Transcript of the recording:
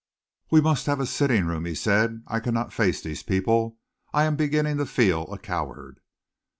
"We must have a sitting room," he said. "I cannot face these people. I am beginning to feel a coward."